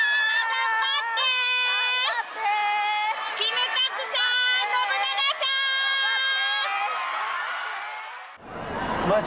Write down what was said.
頑張ってー！